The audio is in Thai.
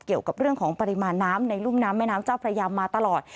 เกี่ยวกับเรื่องของปริมาณน้ำในรุ่มน้ำแม่น้ำเจ้าพระยามาตลอด